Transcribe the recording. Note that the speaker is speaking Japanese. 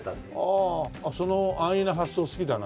ああその安易な発想好きだな。